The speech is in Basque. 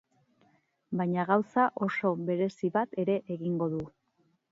Baina gauza oso berezi bat ere egingo du.